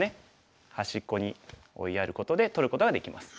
端っこに追いやることで取ることができます。